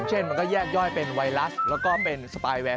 มันก็แยกย่อยเป็นไวรัสแล้วก็เป็นสปายแวน